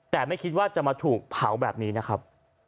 แต่ไม่คิดว่าจะมาถูกเผาแบบนี้นะครับ